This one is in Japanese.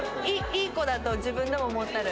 いい子だと自分でも思ってる。